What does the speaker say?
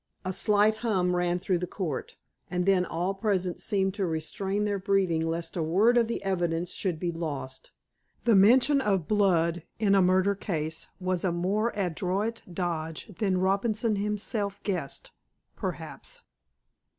A slight hum ran through the court, and then all present seemed to restrain their breathing lest a word of the evidence should be lost. The mention of "blood" in a murder case was a more adroit dodge than Robinson himself guessed, perhaps.